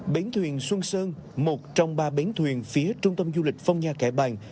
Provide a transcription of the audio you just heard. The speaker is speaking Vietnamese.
bến thuyền xuân sơn một trong ba bến thuyền phía trung tâm du lịch phong nha kẻ bàng